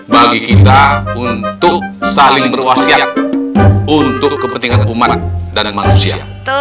masyarakat untuk selalu berwasiat untuk kepentingan umat dan manusia